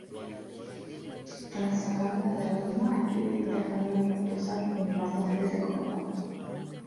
Tras sacarla del horno hay que dejarla reposar un rato antes de comerla.